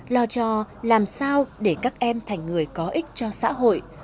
lo cho làm sao để các em thành người có ích cho xã hội